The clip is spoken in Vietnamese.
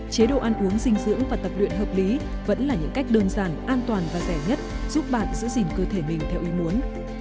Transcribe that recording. chế độ ăn uống dinh dưỡng và tập luyện hợp lý vẫn là những cách đơn giản an toàn và rẻ nhất giúp bạn giữ gìn cơ thể mình theo ý muốn